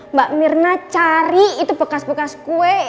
mbak mirna cari itu bekas bekas kue